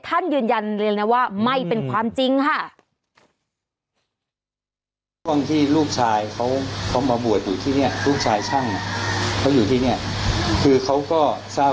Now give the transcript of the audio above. ท่านยืนยันเรียนนะว่าไม่เป็นความจริงค่ะ